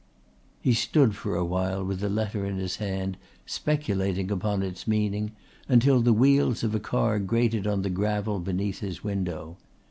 He stood for a while with the letter in his hand, speculating upon its meaning, until the wheels of a car grated on the gravel beneath his window.